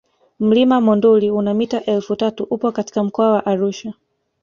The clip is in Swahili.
Mlima Monduli una mita elfu tatu upo katika mkoa wa Arusha